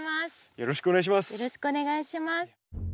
よろしくお願いします。